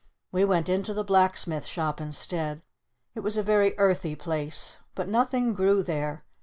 We went into the Blacksmith's Shop instead. It was a very earthy place. But nothing grew there.